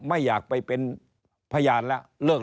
ไม่อยากไปเป็นพยานแล้ว